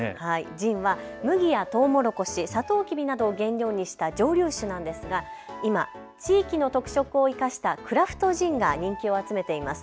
ジンは麦やトウモロコシ、サトウキビなどを原料にした蒸留酒なんですが今、地域の特色を生かしたクラフトジンが人気を集めています。